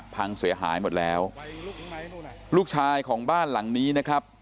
พังเสียหายหมดแล้วลูกชายของบ้านหลังนี้นะครับ